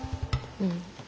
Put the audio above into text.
うん。